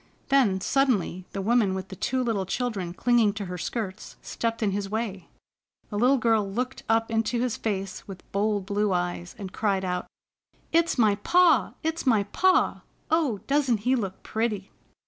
Then, suddenly, the woman with the two little children clinging to her skirts, stepped in his way. The little girl looked up into his face with bold blue eyes, and cried out: "It's my pa! It's my pa! Oh, doesn't he look pretty?"